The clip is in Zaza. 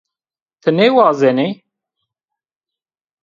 Ti nêwazenî.